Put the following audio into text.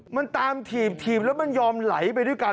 มันตามถีบถีบแล้วมันยอมไหลไปด้วยกัน